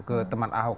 ke teman ahok